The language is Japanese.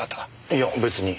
いや別に。